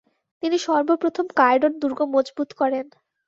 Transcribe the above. তিনি সর্বপ্রথম কায়রোর দুর্গ মজবুত করেন।